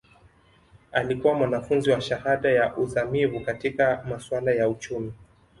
Alikuwa mwanafunzi wa shahada ya uzamivu katika masuala ya uchumi